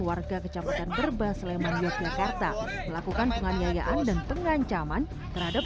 warga kecamatan berbah sleman yogyakarta melakukan penganiayaan dan pengancaman terhadap